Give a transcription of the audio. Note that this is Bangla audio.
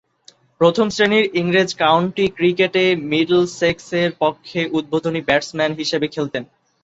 প্রথম-শ্রেণীর ইংরেজ কাউন্টি ক্রিকেটে মিডলসেক্সের পক্ষে উদ্বোধনী ব্যাটসম্যান হিসেবে খেলতেন।